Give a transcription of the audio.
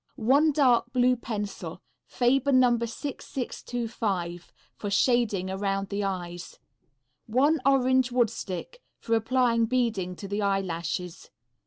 One Dark Blue Pencil. Faber No. 6625. For shading around the eyes. One Orange Wood Stick. For applying beading to the eyelashes.